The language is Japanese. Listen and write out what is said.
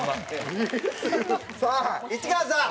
さあ市川さん。